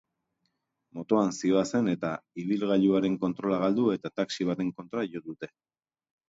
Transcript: Motoan zihoazen, eta ibilgailuaren kontrola galdu eta taxi baten kontra jo dute.